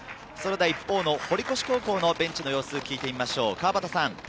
一方の堀越高校のベンチの様子を聞いてみます、川畑さん。